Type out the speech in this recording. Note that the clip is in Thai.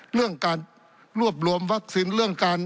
เรื่องการรวบรวมวัคซิน